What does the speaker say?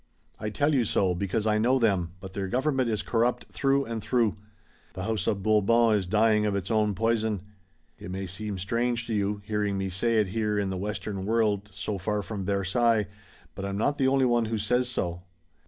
I tell you so, because I know them, but their government is corrupt through and through. The House of Bourbon is dying of its own poison. It may seem strange to you, hearing me say it here in the Western world, so far from Versailles, but I'm not the only one who says so."